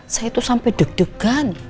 saya itu sampai deg degan